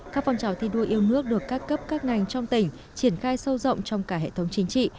các phong trào thi đua yêu nước được các cấp các ngành trong tỉnh triển khai sâu rộng trong cả hệ thống chính trị